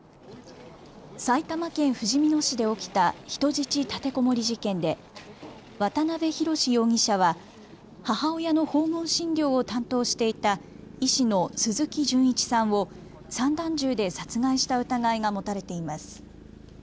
埼玉県ふじみ野市で起きた人質立てこもり事件で渡邊宏容疑者は母親の訪問診療を担当していた医師の鈴木純一さんを散弾銃で殺害した疑いが持たれています。